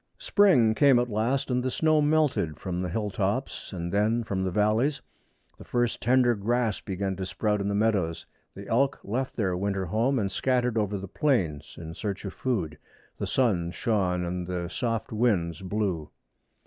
Spring came at last, and the snow melted from the hill tops and then from the valleys. The first tender grass began to sprout in the meadows. The elk left their winter home and scattered over the plains in search of food. The sun shone and the soft winds blew.